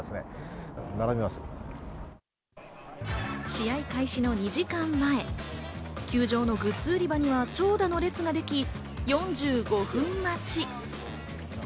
試合開始の２時間前、球場のグッズ売り場には長蛇の列ができ、４５分待ち。